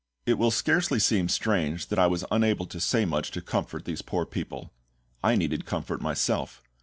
It will scarcely seem strange that I was unable to say much to comfort these poor people. I needed comfort myself.